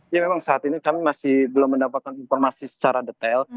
ya memang saat ini kami masih belum mendapatkan informasi secara detail